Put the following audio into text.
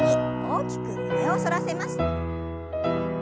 大きく胸を反らせます。